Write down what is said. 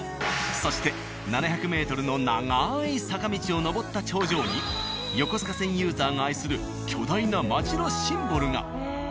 そして７００ｍの長い坂道を上った頂上に横須賀線ユーザーが愛する巨大な街のシンボルが。